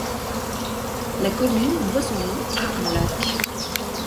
La commune doit son nom à un lac.